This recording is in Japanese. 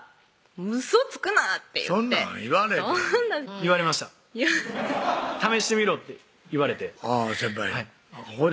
「ウソつくな！」って言ってそんなん言われへん言われました「試してみろ」って言われて先輩にほいで？